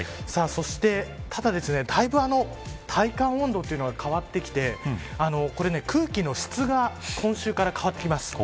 そして、ただ、だいぶ体感温度は変わってきて空気の質が今週から変わってきます。